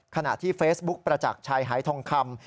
ขณะที่เฟซบุ๊กประจักษ์ชัยหายทองคำ